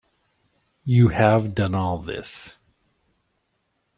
You have done all this!